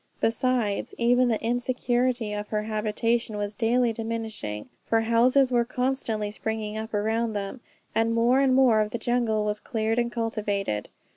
Besides, even the insecurity of their habitation was daily diminishing; for houses were constantly springing up around them, and more and more of the jungle was cleared and cultivated.